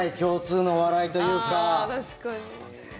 確かに。